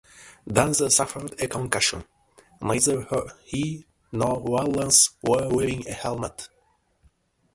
Danza suffered a concussion; neither he nor Wallace were wearing a helmet.